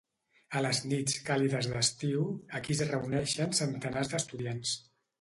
A les nits càlides d'estiu, aquí es reuneixen centenars d'estudiants.